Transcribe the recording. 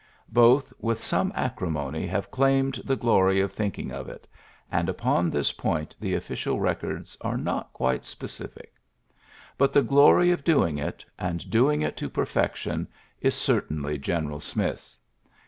Both with some acrimony have claimed the glory of thinking of it, and upon this point the official records are not quite specific ; but the glory of doing it, and doing it to perfection, is certainly General Smith's.